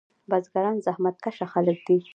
بزګران زحمت کشه خلک دي.